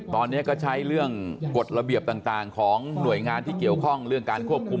ตอนนี้ก็ใช้เรื่องกฎระเบียบต่างของหน่วยงานที่เกี่ยวข้องเรื่องการควบคุม